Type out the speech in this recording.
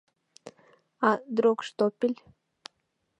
А Дроогштоппель?